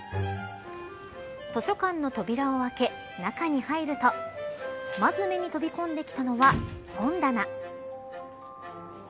図書館の扉を開け、中に入るとまず目に飛び込んできたのは本棚。